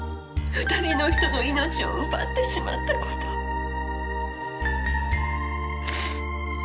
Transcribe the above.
２人の人の命を奪ってしまった事を。